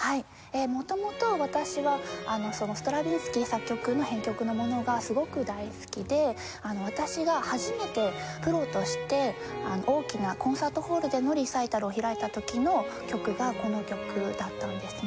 元々私はストラヴィンスキー作曲の編曲のものがすごく大好きで私が初めてプロとして大きなコンサートホールでのリサイタルを開いた時の曲がこの曲だったんですね。